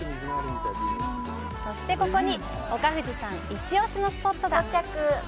そしてここに岡藤さんイチオシのスポットが到着！